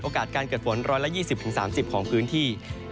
การเกิดฝน๑๒๐๓๐ของพื้นที่